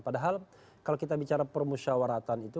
padahal kalau kita bicara permusyawaratan itu